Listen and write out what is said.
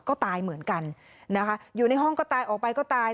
ก็ตายเหมือนกันนะคะอยู่ในห้องก็ตายออกไปก็ตาย